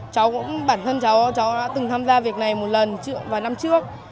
cháu cũng bản thân cháu cháu đã từng tham gia việc này một lần vào năm trước